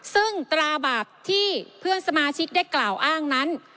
ซึ่งตราบาปที่เพื่อนสมาชิกได้กล่าวอ้างนั้น